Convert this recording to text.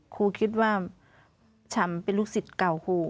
ครูคิดว่าชำเป็นลูกศิษย์เก่าครู